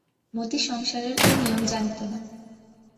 মতি সংসারের এ নিয়ম জানিত না।